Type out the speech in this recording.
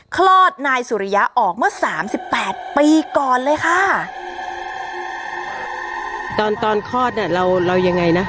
คลอดนายสุริยะออกเมื่อสามสิบแปดปีก่อนเลยค่ะตอนตอนคลอดเนี้ยเราเรายังไงนะ